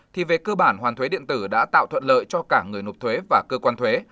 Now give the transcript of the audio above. thì về cơ bản hoàn thuế điện tử đã tạo thuận lợi cho cả người nộp thuế và cơ quan thuế